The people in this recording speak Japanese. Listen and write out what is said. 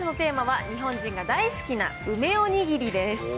本日のテーマは、日本人が大好きな梅おにぎりです。